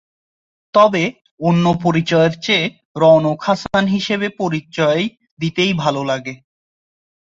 তবে অন্য পরিচয়ের চেয়ে রওনক হাসান হিসেবে পরিচয় দিতেই ভালো লাগে।